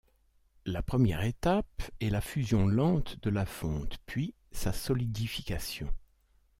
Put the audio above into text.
La première étape est la fusion lente de la fonte, puis sa solidification.